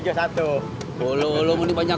bikinnya saya kolak dong dua